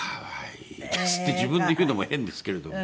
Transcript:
って自分で言うのも変ですけれど。